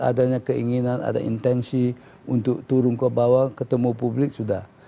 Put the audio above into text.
adanya keinginan ada intensi untuk turun ke bawah ketemu publik sudah